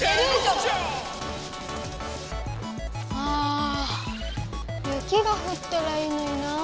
あ雪がふったらいいのになぁ。